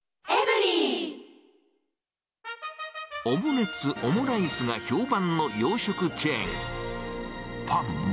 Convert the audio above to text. オムレツ、オムライスが評判の洋食チェーン。